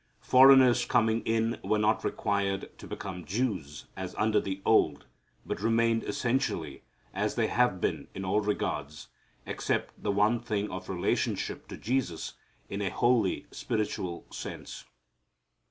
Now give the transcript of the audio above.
Foreigners coming in were not required to become Jews, as under the old, but remained essentially as they have been in all regards, except the one thing of relationship to Jesus in a wholly spiritual sense.